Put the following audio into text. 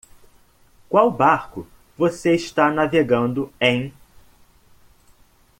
Qual barco você está navegando em?